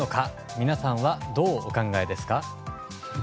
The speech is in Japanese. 皆さんは、どうお考えですか？